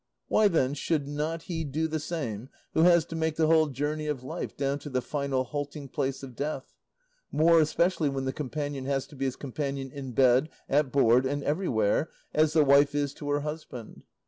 Why, then, should not he do the same who has to make the whole journey of life down to the final halting place of death, more especially when the companion has to be his companion in bed, at board, and everywhere, as the wife is to her husband?